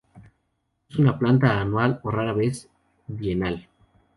Es una planta anual o rara vez bienal.